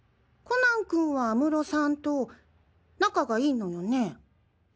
コナン君は安室さんと仲がいいのよね。